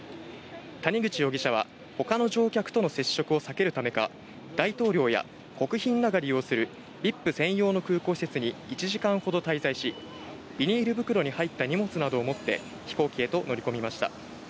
谷口容疑者は、ほかの乗客との接触を避けるためか、大統領や国賓らが利用するＶＩＰ専用の空港施設に１時間ほど滞在し、ビニール袋に入った荷物などを持って、飛行機へと乗り込みました。